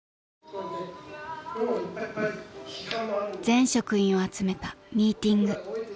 ［全職員を集めたミーティング］